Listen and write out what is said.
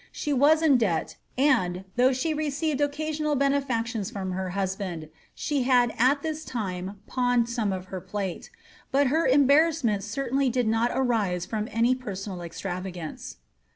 She was in debt, %Dd« though she received occasional benp^tions from het ViUftWiii^ i^ 56 BLIZABXTH OP TORS. had at this time pawned some of her plate; hut her embarrassments tainly did not arise from any personal extravagance.